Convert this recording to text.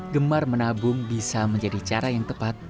gemar menabung bisa menjadi cara yang tepat